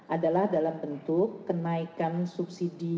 adalah dalam bentuk kenaikan subsidi